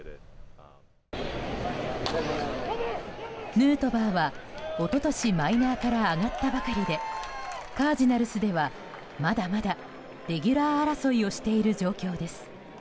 ヌートバーは一昨年マイナーから上がったばかりでカージナルスではまだまだレギュラー争いをしている状況です。